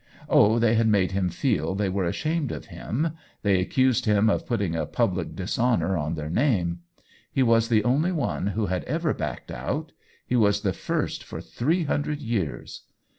Oh, they had made him feel they were ashamed of him; they accused him of putting a public dishonor on their name. He was the only one who had ever backed out — he was the first for three hundred years.